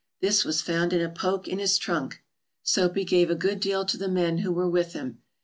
This was found in a poke in his trunk. Soapy gave a good deal to the men who were with him.